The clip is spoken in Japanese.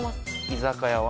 居酒屋は？